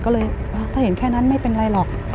ก็เลยถ้าเห็นแค่นั้นไม่เป็นไรหรอก